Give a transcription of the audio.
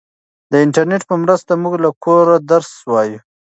د انټرنیټ په مرسته موږ له کوره درس وایو.